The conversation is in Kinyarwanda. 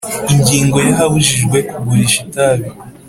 Ingingo ya ahabujijwe kugurisha itabi